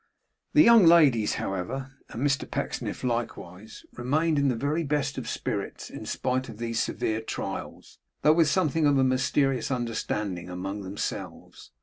The young ladies, however, and Mr Pecksniff likewise, remained in the very best of spirits in spite of these severe trials, though with something of a mysterious understanding among themselves.